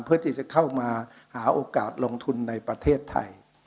เพื่อที่จะเข้ามาหาโอกาสลงทุนในประเทศไทย